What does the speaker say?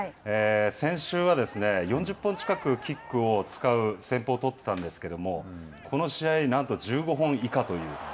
先週は、４０本近くキックを使う戦法を取ってたんですけれども、この試合、なんと１５本以下という。